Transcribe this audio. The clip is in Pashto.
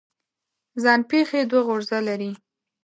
ځان پېښې دوه غرضه لري.